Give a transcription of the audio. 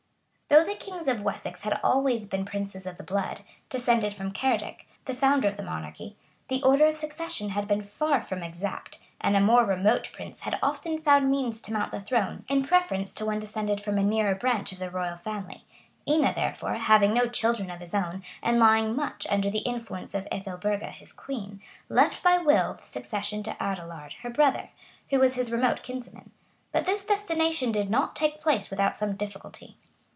] Though the kings of Wessex had always been princes of the blood, descended from Cerdic, the founder of the monarchy, the order of succession had been far from exact; and a more remote prince had often found means to mount the throne, in preference to one descended from a nearer branch of the royal family. Ina, therefore, having no children of his own and lying much under the influence of Ethelburga, his queen, left by will the succession to Adelard, her brother, who was his remote kinsman; but this destination did not take place without some difficulty.